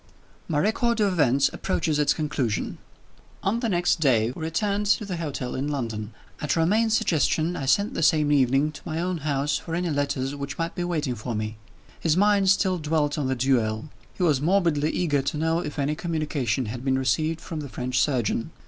IX. MY record of events approaches its conclusion. On the next day we returned to the hotel in London. At Romayne's suggestion, I sent the same evening to my own house for any letters which might be waiting for me. His mind still dwelt on the duel; he was morbidly eager to know if any communication had been received from the French surgeon.